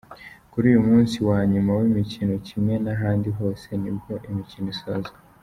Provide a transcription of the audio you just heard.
Kuri uyu munsi wa nyuma w’imikino, kimwe n’ahandi hose nibwo imikino isozwa.